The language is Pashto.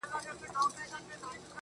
دغه زرين مخ.